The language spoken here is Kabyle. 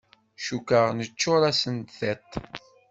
Cukkeɣ neččur-asen tiṭ.